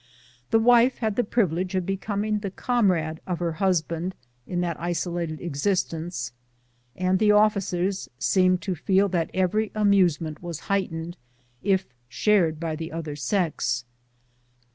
The wife had the priv ilege of becoming the comrade of her husband in that isolated existence, and the officers seemed to feel that 232 BOOTS AND SADDLES. every amusemeiit was heightened if shared by the other sex.